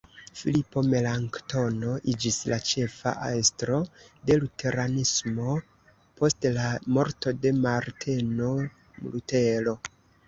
Filipo Melanktono iĝis la ĉefa estro de luteranismo post la morto de Marteno Lutero.